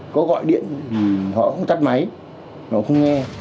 có gọi điện họ không tắt máy họ không nghe